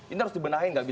ini harus dibenahi gak